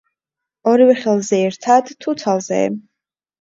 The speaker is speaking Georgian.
ორივე ხელზე ერთად, თუ ცალზე?